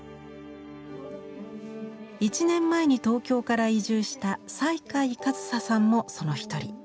１年前に東京から移住した西海一紗さんもその一人。